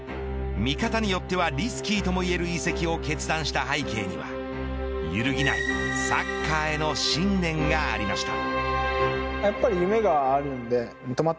見方によってはリスキーともいえる移籍を決断した背景には揺るぎないサッカーへの信念がありました。